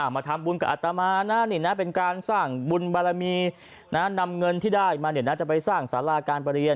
มาทำบุญกับอัตมานะนี่นะเป็นการสร้างบุญบารมีนำเงินที่ได้มาจะไปสร้างสาราการประเรียน